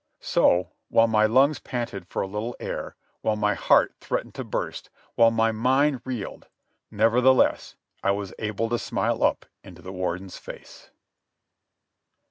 So, while my lungs panted for a little air, while my heart threatened to burst, while my mind reeled, nevertheless I was able to smile up into the Warden's face.